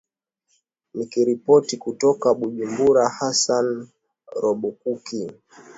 ni kiripoti kutoka bujumbura hasan robakuki